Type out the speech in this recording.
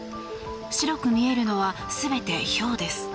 白く見えるのは全てひょうです。